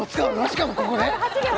しかもここで？